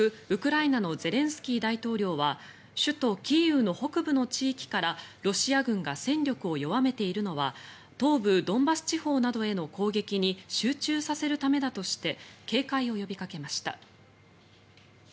ウクライナのゼレンスキー大統領は首都キーウの北部の地域からロシア軍が戦力を弱めているのは東部ドンバス地方などへの攻撃に集中させるためだとして警戒を呼びかけました。